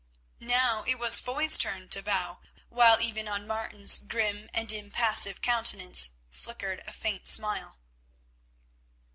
Now it was Foy's turn to bow, while even on Martin's grim and impassive countenance flickered a faint smile.